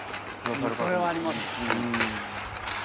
それはありますよね。